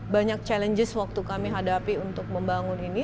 banyak challenges waktu kami hadapi untuk membangun ini